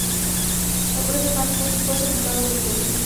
El propio Magnus fue sepultado en la iglesia.